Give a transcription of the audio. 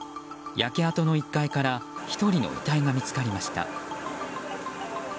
焼け跡の１階から１人の遺体が見つかりました。